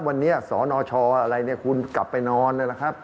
วันนี้สนชอะไรเนี่ยคุณกลับไปนอนเลยล่ะครับ